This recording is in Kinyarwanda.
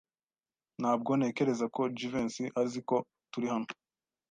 Ntabwo ntekereza ko Jivency azi ko turi hano.